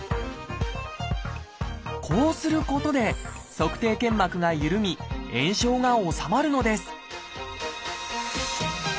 こうすることで足底腱膜がゆるみ炎症が治まるのです